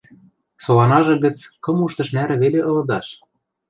Соланажы гӹц кым уштыш нӓрӹ веле ылыдаш.